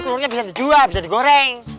telurnya bisa dijual bisa digoreng